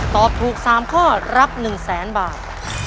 ตอบถูก๓ข้อรับ๑๐๐๐๐๐บาท